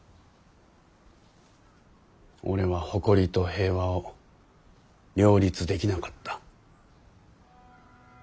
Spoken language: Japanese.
俺は誇りと平和を両立できなかった。